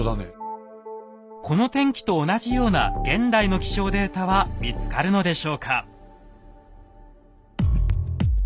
この天気と同じような現代の気象データは見つかるのでしょうか？